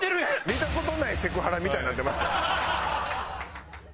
見た事ないセクハラみたいになってましたよ。